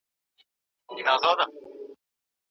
د ګټې او مصرف ترمنځ پوله نه ده روښانه شوې.